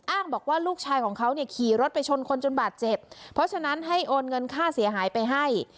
บอกว่าลูกชายของเขาเนี่ยขี่รถไปชนคนจนบาดเจ็บเพราะฉะนั้นให้โอนเงินค่าเสียหายไปให้